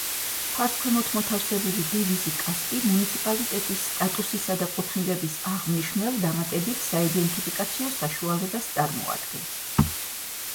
ფარს ქვემოთ მოთავსებული დევიზი „კასპი“, მუნიციპალიტეტის სტატუსისა და კუთვნილების აღმნიშვნელ დამატებით საიდენტიფიკაციო საშუალებას წარმოადგენს.